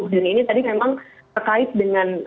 dan ini tadi memang terkait dengan